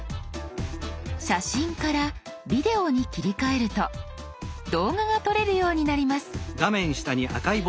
「写真」から「ビデオ」に切り替えると動画が撮れるようになります。